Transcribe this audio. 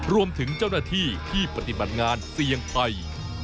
รวมถึงเจ้าหน้าที่ที่ปฏิบัติงานเสี่ยงไป